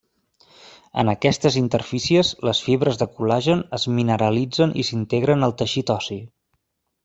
En aquestes interfícies les fibres de col·lagen es mineralitzen i s'integren al teixit ossi.